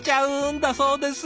んだそうです。